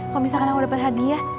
kalo misalkan aku dapet hadiah